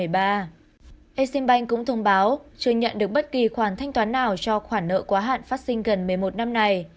exim bank cũng thông báo chưa nhận được bất kỳ khoản thanh toán nào cho khoản nợ quá hạn phát sinh gần một mươi một năm nay